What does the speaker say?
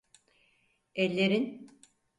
Ellerin…